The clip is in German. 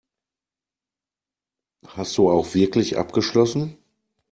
Hast du auch wirklich abgeschlossen?